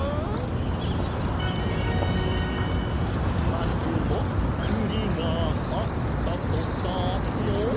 「まつぼっくりがあったとさ」の。